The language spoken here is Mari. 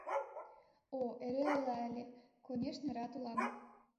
— О, эре ойла ыле: конешне, рат улам.